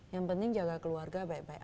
yang penting jaga keluarga baik baik